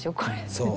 そう。